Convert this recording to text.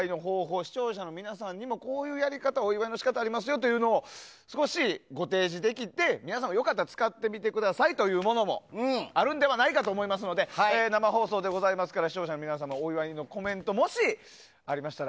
視聴者の皆さんにもこういうお祝いの仕方がありますよと少しご提示できて皆さん、よかったら使ってみてくださいというものもあるんではないかと思いますので生放送でございますから視聴者の皆様お祝いのコメントがもしありましたら。